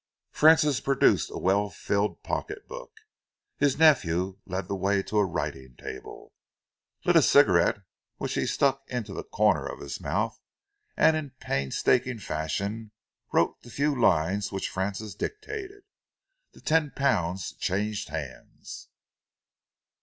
Francis produced a well filled pocketbook. His nephew led the way to a writing table, lit a cigarette which he stuck into the corner of his mouth, and in painstaking fashion wrote the few lines which Francis dictated. The ten pounds changed hands.